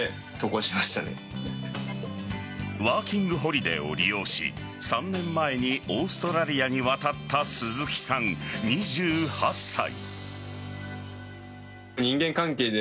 ワーキングホリデーを利用し３年前にオーストラリアに渡った鈴木さん、２８歳。